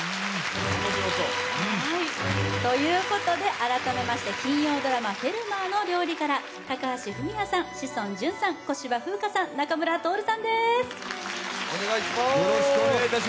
改めまして、金曜ドラマ「フェルマーの料理」から高橋文哉さん、志尊淳さん、小芝風花さん、仲村トオルさんです。